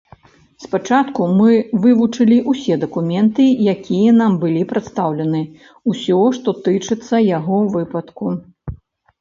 Спачатку мы вывучылі ўсе дакументы, якія нам былі прадастаўлены, усё, што тычыцца яго выпадку.